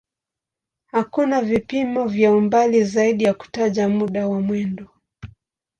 Hakuna vipimo vya umbali zaidi ya kutaja muda wa mwendo.